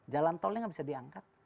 jalan tolnya nggak bisa diangkat